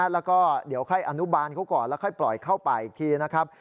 แล้วก็เดี๋ยวค่อยอนุบาลเขาก่อนแล้วค่อยปล่อยเข้าป่าอีกทีนะครับ